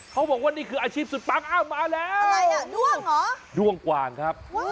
เขาบอกว่านี่คืออาชีพสุดปังอ้าวมาแล้วอะไรอ่ะด้วงเหรอด้วงกว่างครับ